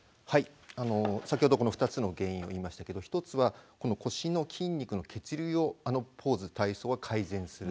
先ほどこの２つの原因を言いましたけど一つはこの腰の筋肉の血流をあのポーズ体操は改善する。